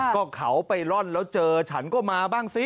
ก็เขาไปร่อนแล้วเจอฉันก็มาบ้างสิ